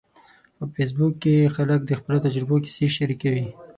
په فېسبوک کې خلک د خپلو تجربو کیسې شریکوي.